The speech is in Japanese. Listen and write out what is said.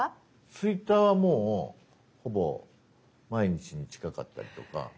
Ｔｗｉｔｔｅｒはもうほぼ毎日に近かったりとか。